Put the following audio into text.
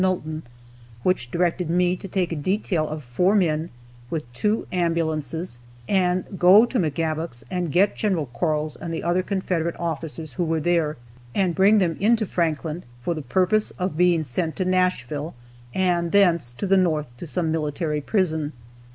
Nulton, which directed me to take a detail of four men, with two ambulances, and go to McGavock's and get Gen. Quarles and the other Confederate officers who were there, and bring them into Franklin, for the purpose of being sent to Nashville, and thence to the north to some military prison.